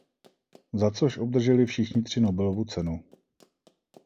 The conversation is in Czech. Za což obdrželi všichni tři Nobelovu cenu.